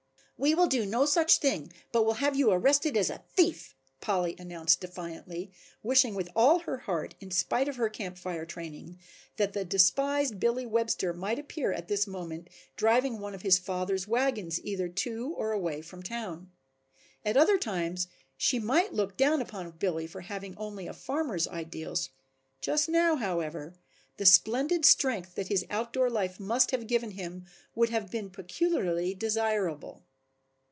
"We will do no such thing but will have you arrested as a thief," Polly announced defiantly, wishing with all her heart, in spite of her Camp Fire training, that the despised Billy Webster might appear at this moment driving one of his father's wagons either to or away from town. At other times she might look down upon Billy for having only a farmer's ideals, just now, however, the splendid strength that his outdoor life must have given him would have been peculiarly desirable.